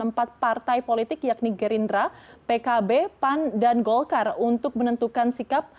empat partai politik yakni gerindra pkb pan dan golkar untuk menentukan sikap